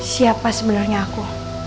siapa sebenarnya aku